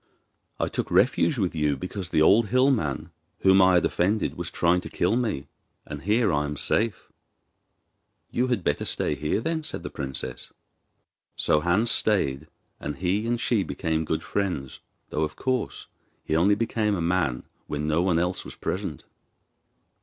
'I took refuge with you because the old hill man, whom I have offended, was trying to kill me, and here I am safe.' 'You had better stay here then,' said the princess. So Hans stayed, and he and she became good friends; though, of course, he only became a man when no one else was present.